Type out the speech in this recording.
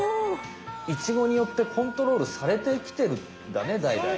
イチゴによってコントロールされてきてるんだねだいだい。